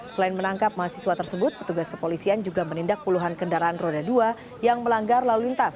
selain menangkap mahasiswa tersebut petugas kepolisian juga menindak puluhan kendaraan roda dua yang melanggar lalu lintas